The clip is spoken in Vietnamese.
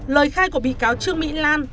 lời khai của bị cáo trương mỹ lan